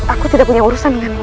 aku tidak punya urusan dengan